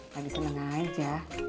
lagi senang aja